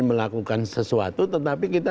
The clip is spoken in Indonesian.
melakukan sesuatu tetapi kita